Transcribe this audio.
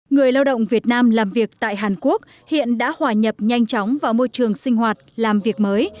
người lao động việt nam làm việc tại hàn quốc hiện đã hòa nhập nhanh chóng vào môi trường sinh hoạt làm việc mới